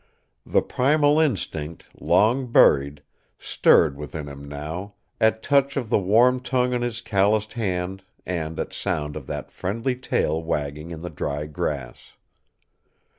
The primal instinct, long buried, stirred within him now; at touch of the warm tongue on his calloused hand and at sound of that friendly tail wagging in the dry grass.